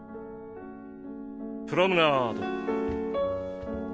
プロムナード。